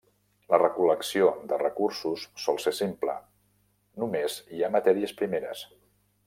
La recol·lecció de recursos sol ser simple, només hi ha matèries primeres.